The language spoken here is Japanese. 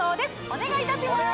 お願いいたします